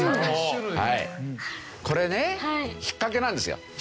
これね引っかけなんですよ。